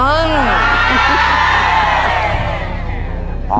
เออ